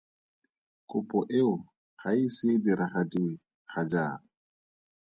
Kopo eo ga e ise e diragadiwe ga jaana.